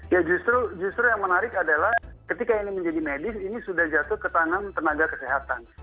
ya justru yang menarik adalah ketika ini menjadi medis ini sudah jatuh ke tangan tenaga kesehatan